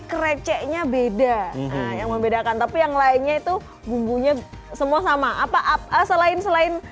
kreceknya beda yang membedakan tapi yang lainnya itu bumbunya semua sama apa selain selain